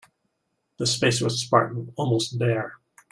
The space was spartan, almost bare.